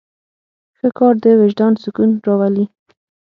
ښه کار د وجدان سکون راولي.